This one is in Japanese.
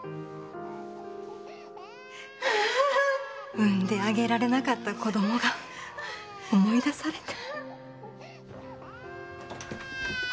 産んであげられなかった子供が思い出されて。